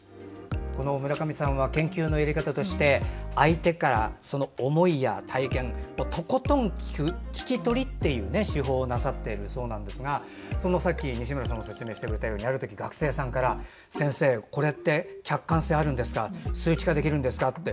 この村上さんは研究のやり方として相手から思いや体験とことん聞く、聞き取りという手法をなさっているそうですがさっき、西村さんが説明してくれたようにある時、学生から先生、これって客観性があるんですか数値化できるんですかって